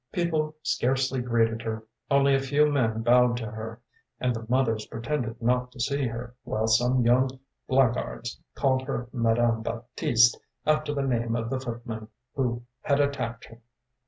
People scarcely greeted her; only a few men bowed to her, and the mothers pretended not to see her, while some young blackguards called her Madame Baptiste, after the name of the footman who had attacked her.